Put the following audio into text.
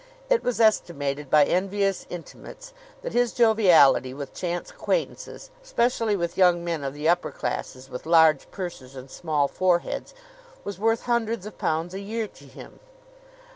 It was estimated by envious intimates that his joviality with chance acquaintances, specially with young men of the upper classes, with large purses and small foreheads was worth hundreds of pounds a year to him.